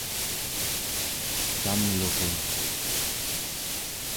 tamlurun